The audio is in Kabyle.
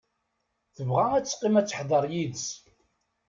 Tebɣa ad teqqim ad tehder yid-s.